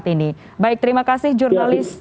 terima kasih baik terima kasih jurnalis transmedia